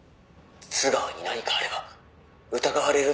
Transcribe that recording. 「津川に何かあれば疑われるのは」